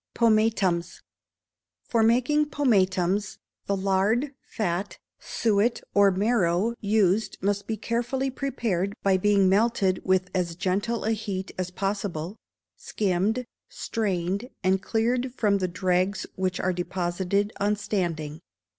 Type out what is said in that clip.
Pomatums. For making pomatums, the lard, fat, suet, or marrow used must be carefully prepared by being melted with as gentle a heat as possible, skimmed, strained, and cleared from the dregs which are deposited on standing.